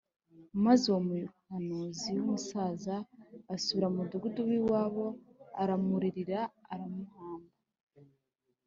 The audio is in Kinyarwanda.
maze uwo muhanuzi w’umusaza asubira mu mudugudu w’iwabo, aramuririra aramuhamba